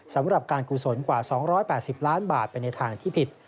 สำหรับการกุศลกว่า๒๘๐ล้านบาทไปในทางที่ผิด